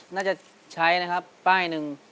น่าจะใช้นะครับป้ายหนึ่ง